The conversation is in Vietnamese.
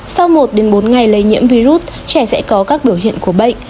sau một bốn ngày lây nhiễm virus trẻ sẽ có các biểu hiện của bệnh